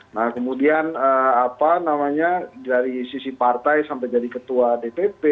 nah kemudian apa namanya dari sisi partai sampai jadi ketua dpp